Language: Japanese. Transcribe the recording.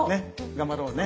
頑張ろうね。